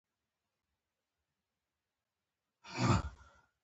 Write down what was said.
آب وهوا د افغان کلتور او ژوند سره تړاو لري.